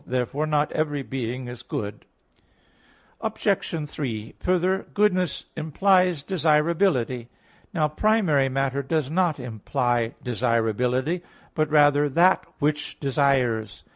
Therefore not every being is good. Obj. 3: Further, goodness implies desirability. Now primary matter does not imply desirability, but rather that which desires.